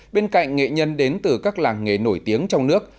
bên cạnh nghệ nhân đến từ các làng nghề nổi tiếng trong nước